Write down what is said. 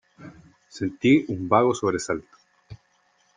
sentí un vago sobresalto .